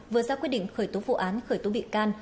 vừa ra quyết định khởi tố vụ án khởi tố bị can